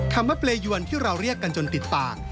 คำว่าเปรยวนที่เราเรียกกันจนติดปาก